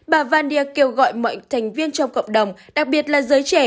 bà vandier kêu gọi mọi thành viên trong cộng đồng đặc biệt là giới trẻ